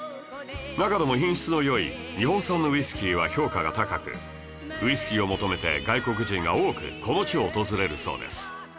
長野の品質の良い日本産のウイスキーは評価が高くウイスキーを求めて外国人が多くこの地を訪れるそうです